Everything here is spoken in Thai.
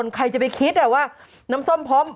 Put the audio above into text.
ใครจะไปคิดว่าน้ำส้มพร้อม